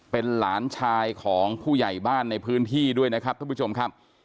เป็นหลานชายของผู้ใหญ่บ้านในพื้นที่ด้วยนะครับท่านผู้ชมครับ